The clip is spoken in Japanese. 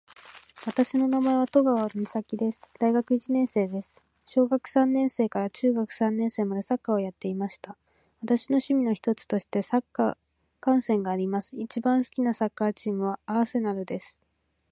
私の名前は登川岬です。大学一年生です。小学三年生から中学三年生までサッカーをやっていました。私の趣味の一つとしてサッカー観戦があります。一番好きなサッカーチームは、アーセナルです。